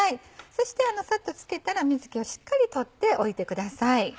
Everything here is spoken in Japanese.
そしてサッと漬けたら水気をしっかり取っておいてください。